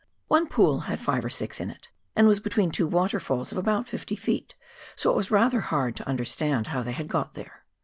One pool had five or six in it, and was between two waterfalls of about fifty feet, so that it was rather hard to understand how they had got there.